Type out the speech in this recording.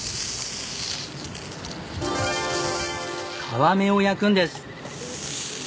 皮目を焼くんです。